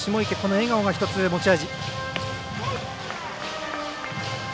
笑顔が１つ持ち味。